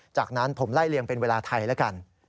จากนั้นผมไล่เลี่ยงเป็นเวลาไทยแล้วกัน